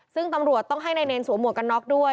ซึ่งตำรวจต้องให้นายเนรสวมหวกกันน็อกด้วย